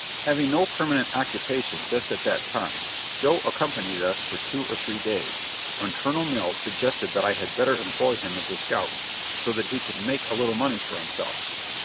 Having no permanent occupation just at that time, Joe accompanied us for two or three days, when Colonel Mills suggested that I had better employ him as a scout, so that he could make a little money for himself.